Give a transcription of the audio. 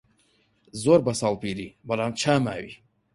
زۆر بە ساڵ پیری بەڵام چا ماوی